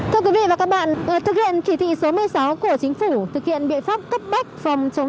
thưa quý vị và các bạn thực hiện chỉ thị số một mươi sáu của chính phủ thực hiện biện pháp cấp bách phòng chống